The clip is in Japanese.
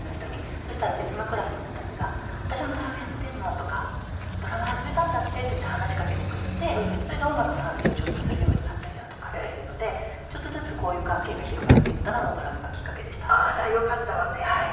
そしたら別のクラスの子たちが「私もドラムやってるの」とか「ドラム始めたんだって？」って言って話しかけてくれてそれで音楽の話をちょっとするようになったりだとかっていうのでちょっとずつ交友関係が広がっていったのも。